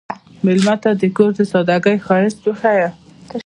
مېلمه ته د کور د سادګۍ ښایست وښیه.